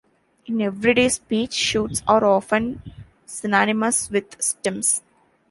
In everyday speech, shoots are often synonymous with stems.